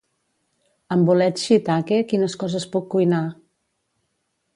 Amb bolets xiitake quines coses puc cuinar?